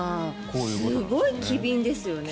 すごい機敏ですよね。